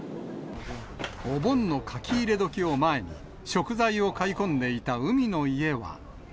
お盆の書き入れ時を前に、食材を買い込んでいた海の家は。